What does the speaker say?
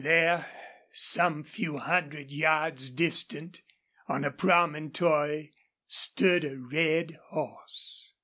There, some few hundred yards distant, on a promontory, stood a red horse.